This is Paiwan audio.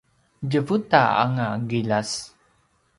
tjevuta anga qiljas